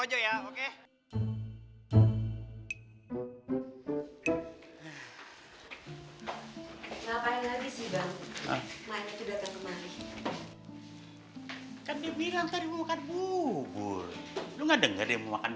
nymu makan bubur dimadeng verdade mau ngomong